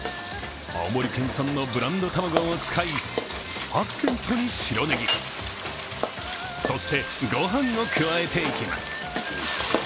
青森県産のブランド卵を使いアクセントに白ネギ、そして御飯を加えていきます。